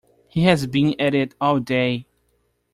He has been at it all day.